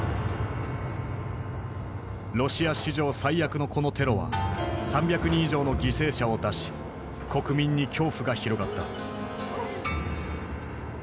ロシア史上最悪のこのテロは３００人以上の犠牲者を出し国民に恐怖が広がった。